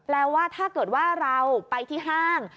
แล้วว่าถ้าเกิดว่าเราไปที่ห้าง